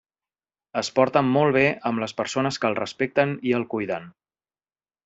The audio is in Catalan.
Es porta molt bé amb les persones que el respecten i el cuiden.